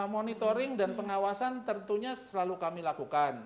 monitoring dan pengawasan tentunya selalu kami lakukan